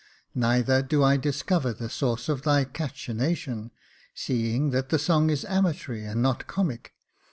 Neither do I discover the source of thy cachinnation, seeing that the song is amatory and not comic.